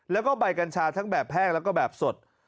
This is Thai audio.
แล้วก็ใบกัญชาทั้งแบบแห้งแล้วก็แบบสด